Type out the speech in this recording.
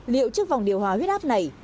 liệu chiếc vòng điều hòa huyết áp này